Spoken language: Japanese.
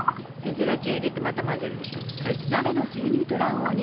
ゼラチンを入れてまた混ぜるでしょ。